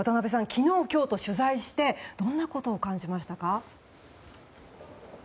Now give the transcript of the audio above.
昨日、今日と取材してどんなことを感じましたか？